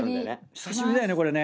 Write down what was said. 久しぶりだよねこれね。